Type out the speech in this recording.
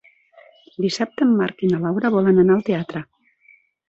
Dissabte en Marc i na Laura volen anar al teatre.